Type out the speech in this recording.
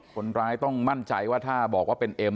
คนร้ายต้องมั่นใจว่าถ้าบอกว่าเป็นเอ็ม